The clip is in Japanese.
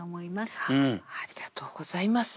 ありがとうございます。